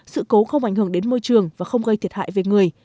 sự cố không ảnh hưởng đến môi trường và không gây thiệt hại về người